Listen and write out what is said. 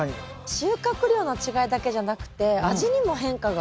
収穫量の違いだけじゃなくて味にも変化が。